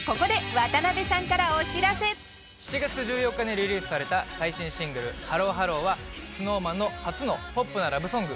ここで７月１４日にリリースされた最新シングル『ＨＥＬＬＯＨＥＬＬＯ』はＳｎｏｗＭａｎの初のポップなラブソング。